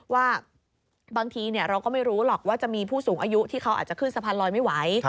ว่าบางทีเราก็ไม่รู้หรอกว่าจะมีผู้สูงอายุที่เขาอาจจะขึ้นสะพานลอยไม่ไหว